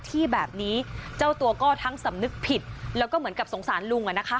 ที่แบบนี้เจ้าตัวก็ทั้งสำนึกผิดแล้วก็เหมือนกับสงสารลุงอ่ะนะคะ